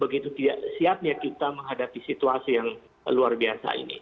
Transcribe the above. begitu tidak siapnya kita menghadapi situasi yang luar biasa ini